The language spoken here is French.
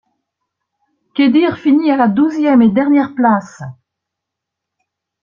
Kedir finit à la douzième et dernière place.